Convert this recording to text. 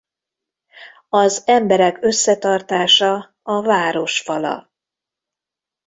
Az emberek összetartása a városfala.